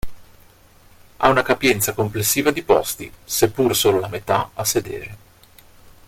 Ha una capienza complessiva di posti, seppure solo la metà a sedere.